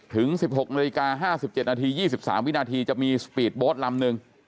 ถึง๑๖นาฬิกา๕๗นาที๒๓วินาทีจะมีสปีดโบสต์ลำนึง